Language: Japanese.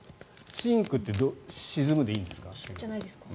シンクって沈むでいいんですか？